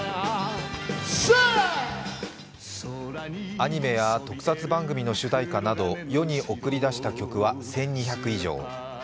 アニメや特撮番組の主題歌など世に送り出した曲は１２００以上。